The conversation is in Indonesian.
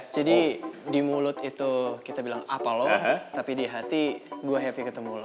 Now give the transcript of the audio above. jadi di mulut itu kita bilang apa lo tapi di hati gue happy ketemu lo